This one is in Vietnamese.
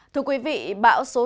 thưa quý vị báo số sáu